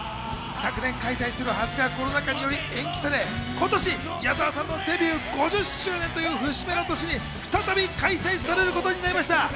昨年開催するはずがコロナ禍により延期され今年、矢沢さんのデビュー５０周年という節目の年に再び開催されることになりました。